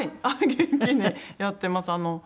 元気にやってます。